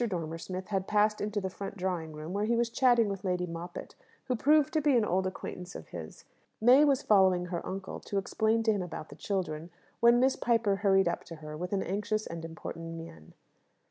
Dormer Smith had passed into the front drawing room, where he was chatting with Lady Moppett, who proved to be an old acquaintance of his. May was following her uncle to explain to him about the children, when Miss Piper hurried up to her with an anxious and important mien.